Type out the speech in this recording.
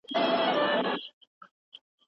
غرونه هم ژاړي